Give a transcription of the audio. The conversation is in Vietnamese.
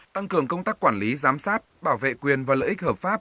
tăng cường công tác quản lý giám sát bảo vệ quyền và lợi ích hợp pháp